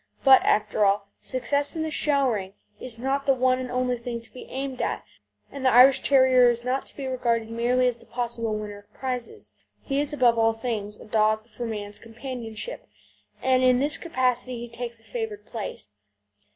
But, after all, success in the show ring is not the one and only thing to be aimed at, and the Irish Terrier is not to be regarded merely as the possible winner of prizes. He is above all things a dog for man's companionship, and in this capacity he takes a favoured place.